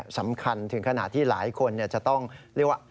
สำคัญถึงขนาดที่หลายคนจะต้องเรียกว่า